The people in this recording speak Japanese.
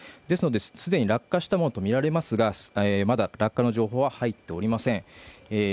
ですので、既に落下したものとみられますが、まだ落下の情報は入っておりません。